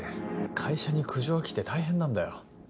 会社に苦情が来て大変なんだよ。